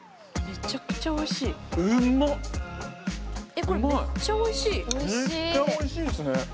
めっちゃおいしいですね！